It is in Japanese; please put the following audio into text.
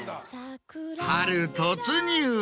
春突入。